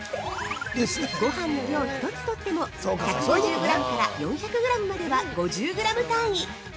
ごはんの量一つとっても、１５０グラムから４００グラムまでは５０グラム単位。